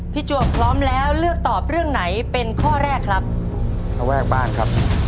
จวบพร้อมแล้วเลือกตอบเรื่องไหนเป็นข้อแรกครับข้อแรกบ้างครับ